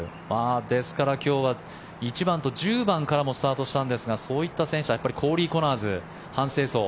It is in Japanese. ですから今日は１番と１０番からもスタートしたんですがそういった選手はコーリー・コナーズハン・セイソウ。